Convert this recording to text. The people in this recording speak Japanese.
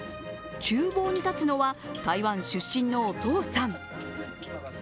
ちゅう房に立つのは台湾出身のお父さん。